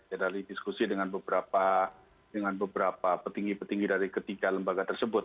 kita tadi diskusi dengan beberapa petinggi petinggi dari ketiga lembaga tersebut